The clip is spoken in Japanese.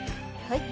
はい。